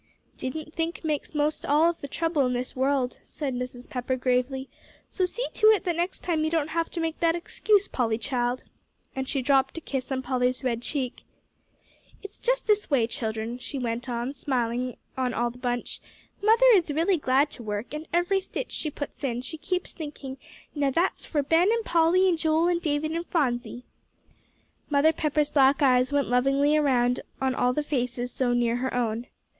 "Didn't think makes most all of the trouble in this world," said Mrs. Pepper, gravely; "so see to it that next time you don't have to make that excuse, Polly child," and she dropped a kiss on Polly's red cheek. "It's just this way, children," she went on, smiling on all the bunch; "Mother is really glad to work, and every stitch she puts in, she keeps thinking, now that's for Ben and Polly and Joel and David and Phronsie." Mother Pepper's black eyes went lovingly around on all the faces so near her own.